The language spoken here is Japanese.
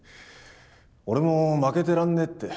俺も負けてらんねぇって。